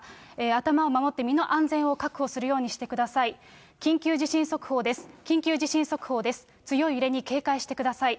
頭を守って、身の安全を確保するようにしてください。